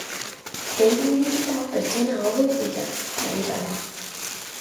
Behin gaindituta, pertsona hobe bilakatzen gara.